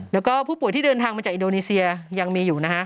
แล้วก็ผู้ป่วยที่เดินทางมาจากอินโดนีเซียยังมีอยู่นะฮะ